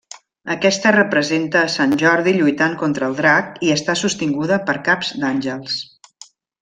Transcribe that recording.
Aquesta representa a Sant Jordi lluitant contra el drac i està sostinguda per caps d'àngels.